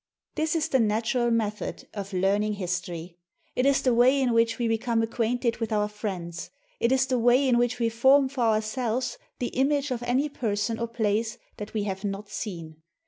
This is the natural method of learning history. It is the way in which we become acquainted with our friends. It is the way in which we form for ourselves the image of any person or place that we have not seen.